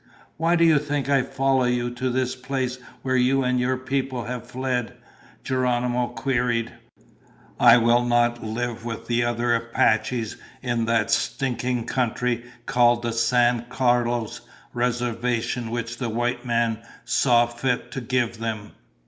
"Why do you think I followed you to this place where you and your people have fled?" Geronimo queried. "I will not live with the other Apaches in that stinking country called the San Carlos Reservation which the white men saw fit to give them.